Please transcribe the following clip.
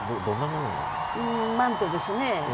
マントですね。